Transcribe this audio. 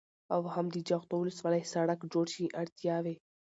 او هم د جغتو ولسوالۍ سړك جوړ شي. اړتياوې: